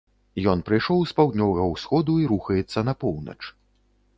Ён прыйшоў з паўднёвага ўсходу і рухаецца на поўнач.